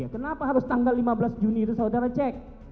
kenapa harus tanggal lima belas juni itu saudara cek